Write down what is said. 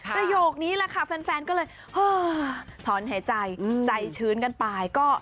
ประโยคนี้แหละค่ะแฟนก็เลยถอนหายใจใจชื้นกันไปก็